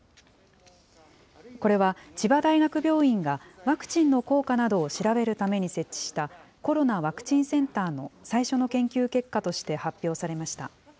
これは千葉大学病院がワクチンの効果などを調べるために設置した、コロナワクチンセンターの最初の研究結果として発表されました。